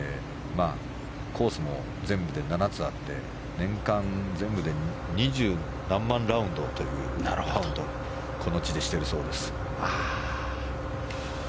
コースも全部で７つあって年間全部で二十何万ラウンドをこの地でしているそうです。